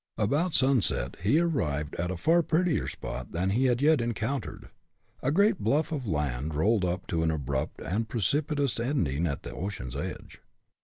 About sunset he arrived at a far prettier spot than he had yet encountered. A great bluff of land rolled up to an abrupt and precipitous ending at the ocean's edge.